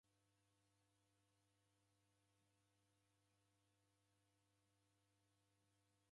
W'ukongo ghwa gilimi ni w'ukongo ghwa ndengwa mbaa.